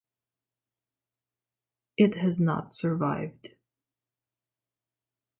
It has not survived.